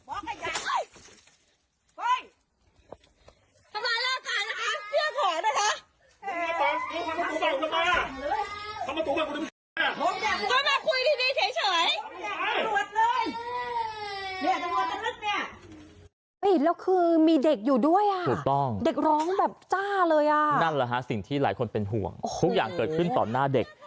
แล้วคือมีเด็กอยู่ด้วยอ่ะถูกต้องเด็กร้องแบบจ้าเลยอ่ะนั่นแหละฮะสิ่งที่หลายคนเป็นห่วงทุกอย่างเกิดขึ้นต่อหน้าเด็ก